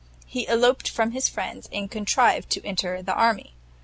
He eloped from his friends, and contrived to enter the army.